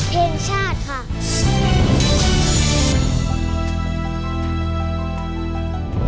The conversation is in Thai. เพลงชาติค่ะ